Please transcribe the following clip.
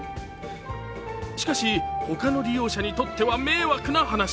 しかし他の利用者にとっては迷惑な話。